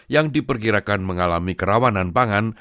yang diperkirakan mengalami kerawanan pangan